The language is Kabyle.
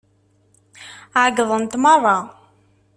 Ɛeyyḍent meṛṛa.